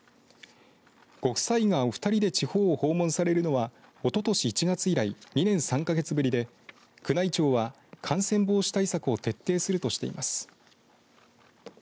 ご夫妻が、お二人で地方を訪問されるのはおととし１月以来２年３か月ぶりで宮内庁は、感染防止対策を徹底するとしています。